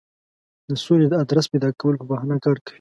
د سولې د آدرس پیدا کولو په بهانه کار کوي.